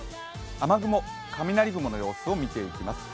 雨雲、雷雲の様子を見ていきます。